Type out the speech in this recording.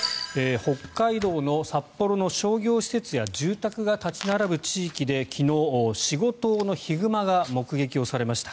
北海道の札幌の商業施設や住宅が立ち並ぶ地域で昨日、４５頭のヒグマが目撃をされました。